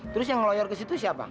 terus yang ngelayar ke situ siapa